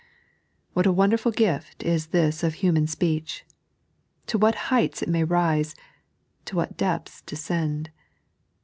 What a wonderful gift is this of human speech. To what heights it may rise, to what depths descend.